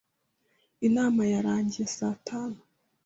Inama yarangiye saa tanu.